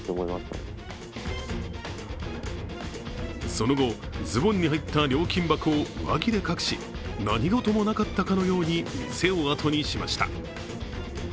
その後、ズボンに入った料金箱を上着で隠し何事もなかったかのように店を後にしました。